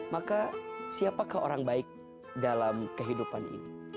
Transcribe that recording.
maka siapakah orang baik dalam kehidupan ini